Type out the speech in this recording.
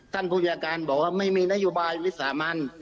ท่านผู้จัดการบอกว่าไม่มีนโยบายวิสามัน